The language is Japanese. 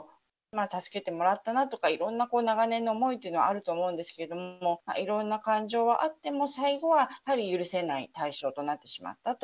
助けてもらったなとか、いろんな長年の思いというのはあると思うんですけれども、いろんな感情はあっても、最後はやっぱり許せない対象となってしまったと。